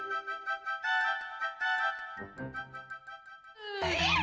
saatnya pujar mami